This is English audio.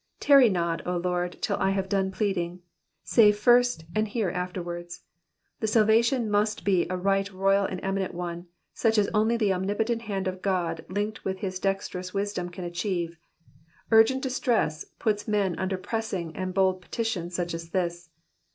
Tarry not, O Lord, till I hare done pleading : save first and hear afterwards. The salvation must be a right royal and eminent one, such as only the omnipotent hand of God linked with his dexterous wisdom can achieve. Urgent distress puts men upon pressing and bold petitions such as this.